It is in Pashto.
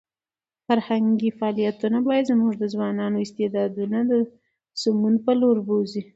فرهنګي فعالیتونه باید زموږ د ځوانانو استعدادونه د سمون په لور بوځي.